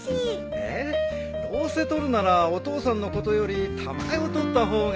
えっどうせ撮るならお父さんのことよりたまえを撮った方が。